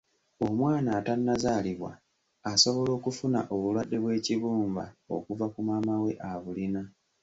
Omwana atannazaalibwa asobola okufuna obulwadde bw'ekibumba okuva ku maama we abulina.